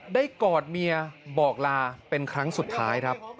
กอดเมียบอกลาเป็นครั้งสุดท้ายครับ